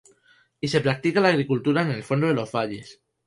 Y se practica la agricultura en el fondo de los valles.